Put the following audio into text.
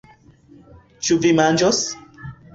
Ĉu vi manĝos?